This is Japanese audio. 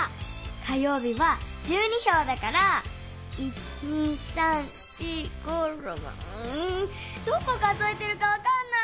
火よう日は１２ひょうだから１２３４５６うんどこ数えてるかわかんない！